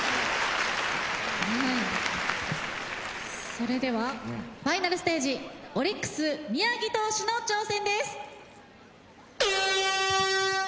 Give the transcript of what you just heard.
それではファイナルステージオリックス・宮城投手の挑戦です。